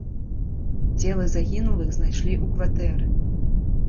Целы загінулых знайшлі ў кватэры.